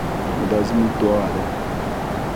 او دا زموږ دعا ده.